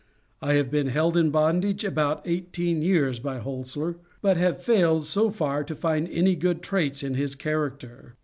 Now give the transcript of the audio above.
I have been held in bondage about eighteen years by Holser, but have failed, so far, to find any good traits in his character.